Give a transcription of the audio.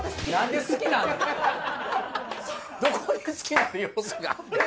どこに好きになる要素があんねん。